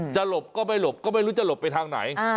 หลบก็ไม่หลบก็ไม่รู้จะหลบไปทางไหน